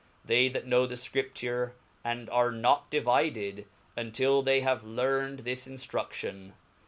They that know the Scripture, arc not divided, untill they have learned this inftrudion.